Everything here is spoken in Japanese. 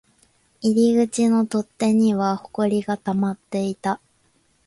入り口の取っ手には埃が溜まっていた